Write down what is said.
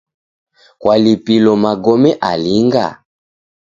Kwalipilo magome alinga?